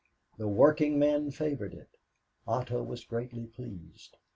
The workingmen favored it. Otto was greatly pleased.